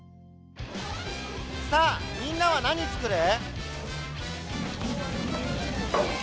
さあみんなは何つくる？